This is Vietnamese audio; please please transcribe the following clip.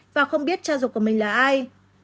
và không biết cha dục của mình là ai